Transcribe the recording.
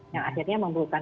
yang akhirnya membutuhkan